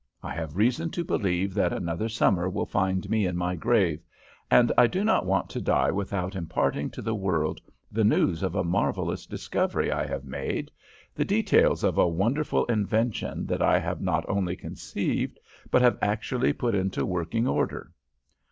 I have reason to believe that another summer will find me in my grave, and I do not want to die without imparting to the world the news of a marvellous discovery I have made the details of a wonderful invention that I have not only conceived, but have actually put into working order.